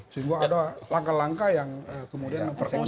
sehingga ada langkah langkah yang kemudian perspektif